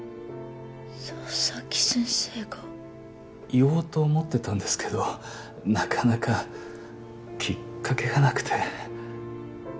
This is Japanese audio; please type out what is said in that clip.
言おうと思ってたんですけどなかなかきっかけがなくて。